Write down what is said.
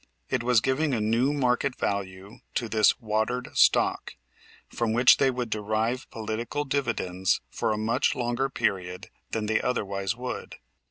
It was giving a new market value to this "watered stock," from which they would derive political dividends for a much longer period than they otherwise would.